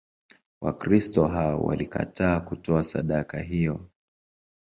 Wakristo hao walikataa kutoa sadaka hiyo.